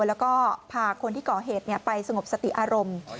แล้วก็พาคนที่ก่อเหตุไปสงบสติอารมณ์